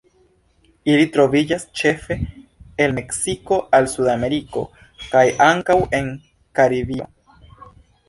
Ili troviĝas ĉefe el Meksiko al Sudameriko kaj ankaŭ en Karibio.